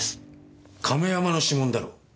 亀山の指紋だろ。